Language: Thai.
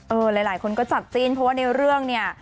หลายคนก็จับจิ้นเพราะว่าในเรื่องเนี่ย